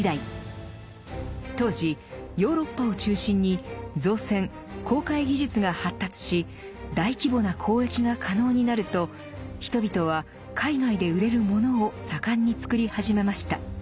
当時ヨーロッパを中心に造船・航海技術が発達し大規模な交易が可能になると人々は海外で売れるものを盛んに作り始めました。